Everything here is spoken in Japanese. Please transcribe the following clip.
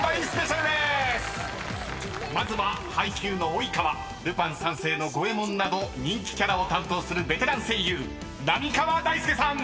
［まずは『ハイキュー‼』の及川『ルパン三世』の五ェ門など人気キャラを担当するベテラン声優浪川大輔さん！］